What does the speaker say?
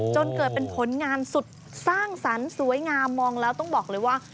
จนเกิดเป็นผลงานสุดสร้างสรรค์สวยงามมองแล้วต้องบอกเลยว่า